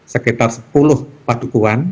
sekitar sepuluh padukuan